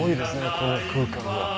この空間が。